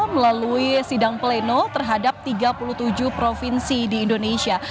melalui sidang pleno terhadap tiga puluh tujuh provinsi di indonesia